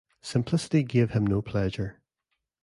Simplicity gave him no pleasure.